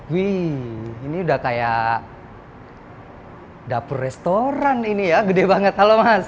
wih ini udah kayak dapur restoran ini ya gede banget halo mas